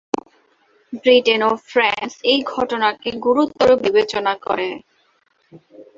Britain ও France এই ঘটনাকে গুরুতর বিবেচনা করে।